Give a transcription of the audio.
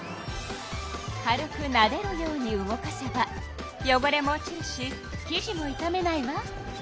軽くなでるように動かせばよごれも落ちるしきじもいためないわ。